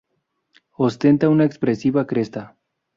Ostenta una expresiva cresta.